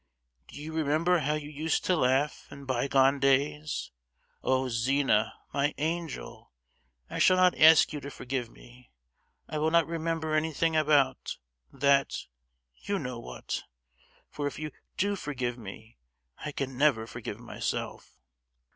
Do you remember how you used to laugh, in bygone days? Oh, Zina, my angel, I shall not ask you to forgive me,—I will not remember anything about—that, you know what! for if you do forgive me, I can never forgive myself!